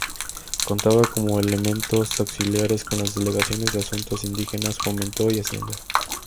Contaba como elementos auxiliares con las Delegaciones de Asuntos Indígenas, Fomento y Hacienda.